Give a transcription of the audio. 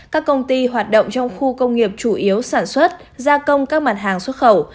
các công ty hoạt động trong khu công nghiệp chủ yếu sản xuất gia công các mặt hàng xuất khẩu